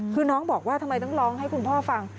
คือน้องบอกว่าทำไมต้องร้องให้คุณพ่อฟัง